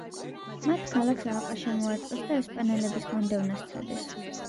მათ ქალაქს ალყა შემოარტყეს და ესპანელების განდევნა სცადეს.